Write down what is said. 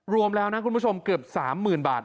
รวมแล้วนะคุณผู้ชมเกือบ๓๐๐๐บาท